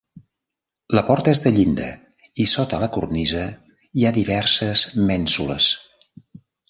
La porta és de llinda i sota la cornisa hi ha diverses mènsules.